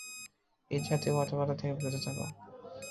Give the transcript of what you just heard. এ জাতীয় কথাবার্তা থেকে বিরত থাক।